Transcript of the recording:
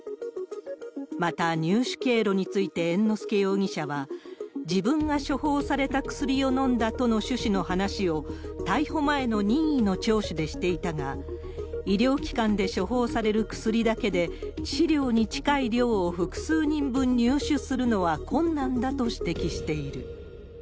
また、入手経路について猿之助容疑者は、自分が処方された薬を飲んだとの趣旨の話を、逮捕前の任意の聴取でしていたが、医療機関で処方される薬だけで、致死量に近い量を複数人文入手するのは、困難だと指摘している。